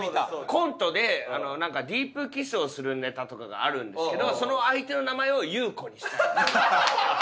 コントでディープキスをするネタとかがあるんですけどその相手の名前を「優子」にしたりとか。